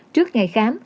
trước ngày kháng